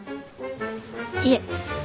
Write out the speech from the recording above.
いえ。